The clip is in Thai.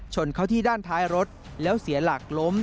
ชนเข้าที่ด้านท้ายรถแล้วเสียหลักล้ม